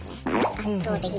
圧倒的に。